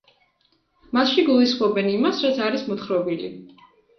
მასში გულისხმობენ იმას, რაც არის მოთხრობილი.